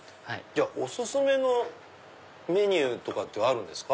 お薦めのメニューとかってあるんですか？